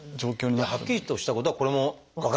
じゃあはっきりとしたことはこれも分からないと。